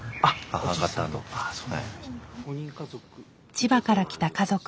千葉から来た家族。